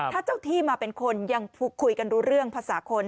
ถ้าเจ้าที่มาเป็นคนยังคุยกันรู้เรื่องภาษาคน